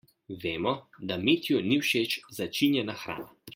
Vemo, da Mitju ni všeč začinjena hrana.